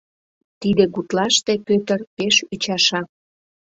Тиде гутлаште Пӧтыр пеш ӱчаша.